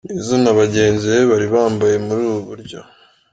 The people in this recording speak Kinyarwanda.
Nizzo na bagenzi be bari bambaye muri ubu buryo.